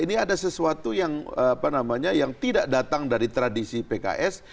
ini ada sesuatu yang apa namanya yang tidak datang dari tradisi pks